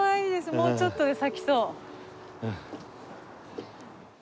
もうちょっとで咲きそう。